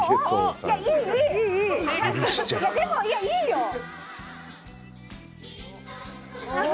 いいよ。